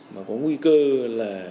mà có nguy cơ là